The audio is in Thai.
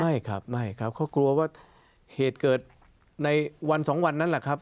ไม่ครับไม่ครับเขากลัวว่าเหตุเกิดในวันสองวันนั้นแหละครับ